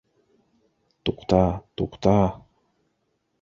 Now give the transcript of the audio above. Туҡта, туҡта...